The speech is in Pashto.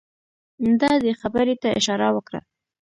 ده دې خبرې ته اشاره وکړه.